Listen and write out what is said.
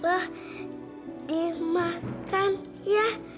bah dimakan ya